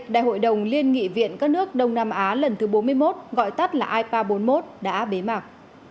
đại hội đồng liên nghị viện các nước đông nam á lần thứ bốn mươi một gọi tắt là ipa bốn mươi một đã bế mạc